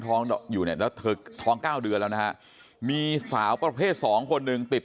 ท้องอยู่แล้วท้อง๙เดือนแล้วนะมีสาวประเภท๒คนหนึ่งติด